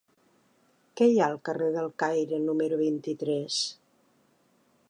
Què hi ha al carrer del Caire número vint-i-tres?